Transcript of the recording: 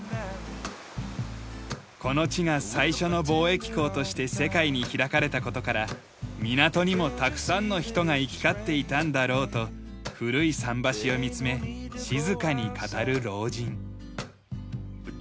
この地が最初の貿易港として世界に開かれた事から港にもたくさんの人が行き交っていたんだろうと古い桟橋を見つめ静かに語る老人。